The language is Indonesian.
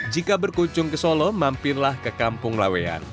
jika berkunjung ke solo mampirlah ke kampung laweyan